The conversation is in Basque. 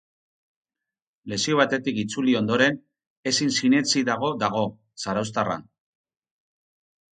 Lesio batetik itzuli ondoren, ezin sinetsi dago dago zarauztarra.